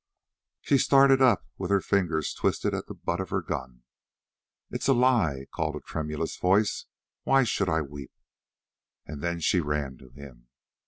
She started up with her fingers twisted at the butt of her gun. "It's a lie," called a tremulous voice. "Why should I weep?" And then she ran to him.